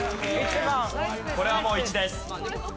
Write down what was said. これはもう１です。